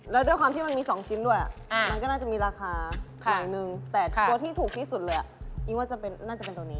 แล้วด้วยความที่มันมี๒ชิ้นด้วยมันก็น่าจะมีราคาอย่างหนึ่งแต่ตัวที่ถูกที่สุดเลยอิ๊งว่าน่าจะเป็นตัวนี้